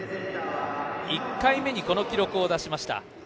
１回目にこの記録を出しました。